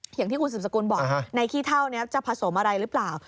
อย่างที่คุณสืบสกุลบอกในขี้เท่านี้จะผสมอะไรหรือเปล่า